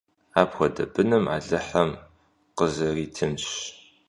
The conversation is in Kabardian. Апхуэдэ бын Алыхьым къузэритынщ!